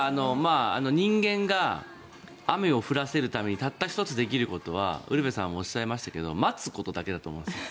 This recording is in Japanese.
人間が雨を降らせるためにたった１つできることはウルヴェさんがおっしゃったように待つことだけだと思うんです。